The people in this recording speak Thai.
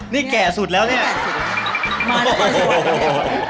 นี่แก่สุดแล้วเนี่ย